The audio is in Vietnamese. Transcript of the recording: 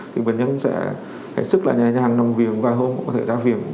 thì bệnh nhân sẽ hãy sức là nhẹ nhàng nằm viềng vài hôm cũng có thể ra viềng